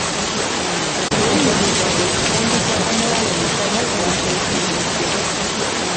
Okuwumiriza kwe kufumbiza omuwala omusajja gw’ateesimidde.